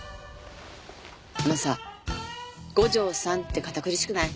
あのさ五条さんって堅苦しくない？